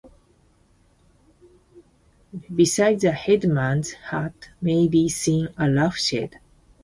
Beside the headman's hut may be seen a rough shed.